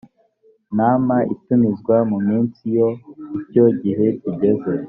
nama itumizwa mu minsi iyo icyo gihe kigeze